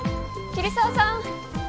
桐沢さん！